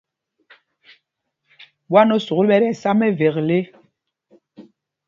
Ɓwán o sukûl ɓɛ tí ɛsá mɛvekle.